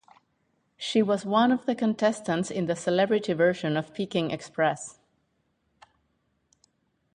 She was one of the contestants in the celebrity version of "Peking Express".